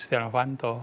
setiap kali setianowanto